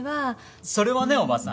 それはね叔母さん